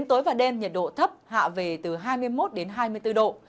tối và đêm nhiệt độ thấp hạ về từ hai mươi một đến hai mươi bốn độ